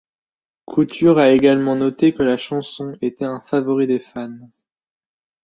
Couture a également noté que la chanson était un favori des fans.